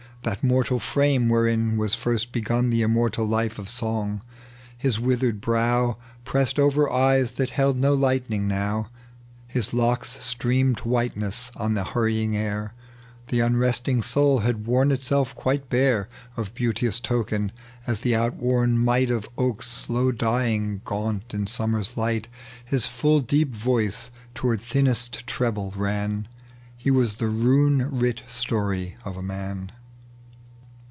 That mortal frame wherein was first begun The immortal life of song. His withered brow Pressed over eyes that hold no lightning now. His locks streamed whiteness on the hurrying air, The unresting soal had worn itself quite bare Of beanteoua token, as the ontwom might Of oaks slow dying, gaunt in summer's light. .tec bv Google THE LEGEND OP JUBAL. il His full deep voice toward thinnest treble ran : He was the rune writ story of a man.